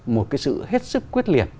một cái sự hết sức quyết liệt